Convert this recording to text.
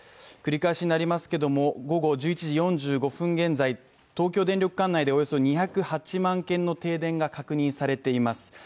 繰り返しになりますけども、午後１１時４５分現在、東京電力管内でおよそ２０８万軒の停電が確認されています。